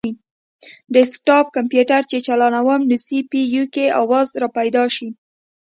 ډیسکټاپ کمپیوټر چې چالانووم نو سي پي یو کې اواز راپیدا شي